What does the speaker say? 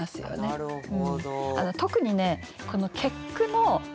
なるほど。